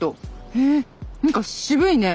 へえ何か渋いね。